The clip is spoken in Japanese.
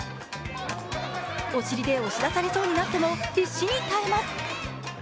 お尻で押し出されそうになっても必死に耐えます。